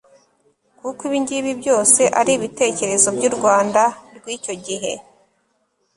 kuko ibingibi byose ari ibitekerezo by'u rwanda rw'icyo gihe